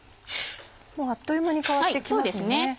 もうあっという間に変わってきますね。